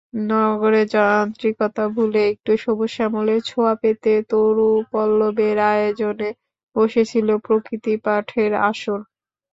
নগরের যান্ত্রিকতা ভুলে একটু সবুজ-শ্যামলের ছোঁয়া পেতে তরুপল্লবের আয়োজনে বসেছিল প্রকৃতিপাঠের আসর।